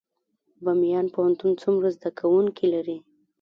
بامیان پوهنتون څومره زده کوونکي لري؟